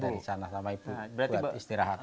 dari sana sama ibu buat istirahat